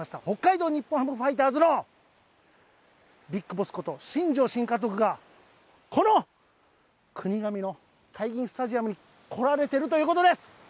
北海道日本ハムファイターズの、ビッグボスこと新庄新監督が、この国頭のスタジアムに来られてるということです。